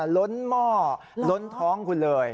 ล้นหม้อล้นท้องคุณเลย